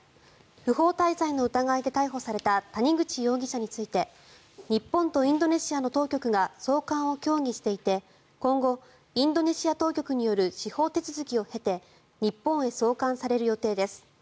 不法滞在の疑いで逮捕された谷口容疑者について日本とインドネシアの当局が送還を協議していて今後、インドネシア当局による司法手続きを経て日本へ送還される予定です。